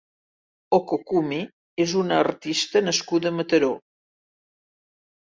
Okokume és una artista nascuda a Mataró.